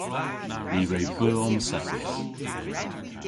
Ni re beu omsettys.